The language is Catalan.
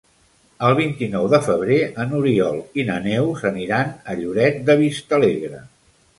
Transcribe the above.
El vint-i-nou de febrer n'Oriol i na Neus aniran a Lloret de Vistalegre.